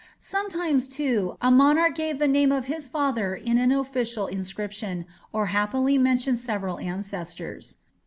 Sometimes, too, a monarch gave the name of his father in an official inscription, or happily mentioned several ancestors.